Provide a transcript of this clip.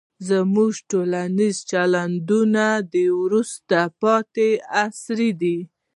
زموږ ټولنیز چلندونه د وروسته پاتې عصر دي.